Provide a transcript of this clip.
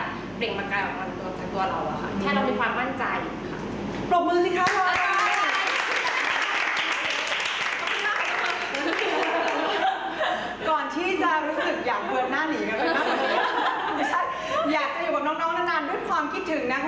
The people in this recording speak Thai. เด็กมันกลายออกมาจากตัวเราอ่ะค่ะ